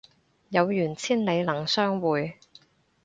有緣千里能相會